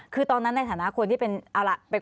คือตอนนั้นในฐานะคนที่เป็นเอาล่ะ